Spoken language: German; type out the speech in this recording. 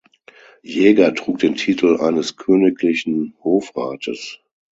Jäger trug den Titel eines königlichen Hofrates.